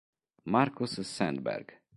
Marcus Sandberg